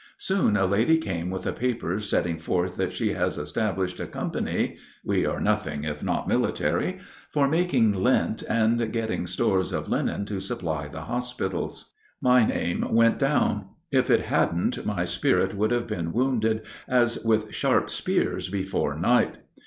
Soon a lady came with a paper setting forth that she has established a "company" we are nothing if not military for making lint and getting stores of linen to supply the hospitals. My name went down. If it hadn't, my spirit would have been wounded as with sharp spears before night.